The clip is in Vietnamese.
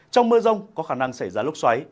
trong mưa rông có khả năng xảy ra lốc xoáy